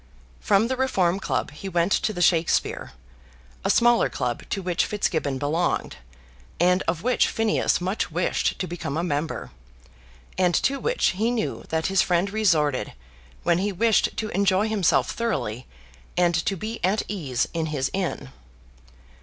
From the Reform Club he went to the Shakspeare, a smaller club to which Fitzgibbon belonged, and of which Phineas much wished to become a member, and to which he knew that his friend resorted when he wished to enjoy himself thoroughly, and to be at ease in his inn.